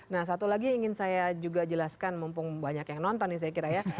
nah satu lagi ingin saya juga jelaskan mumpung banyak yang nonton nih saya kira ya